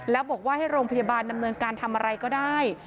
แล้วบอกว่าให้โรงพยาบาลดำเนินการทำอะไรก็ได้